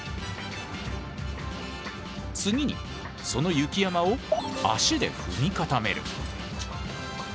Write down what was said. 次にその雪山を足で踏み固める。